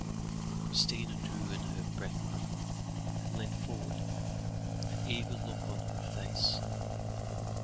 Christina drew in her breath quickly, and leant forward, an eager look on her face.